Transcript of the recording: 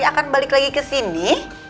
akan balik lagi kesini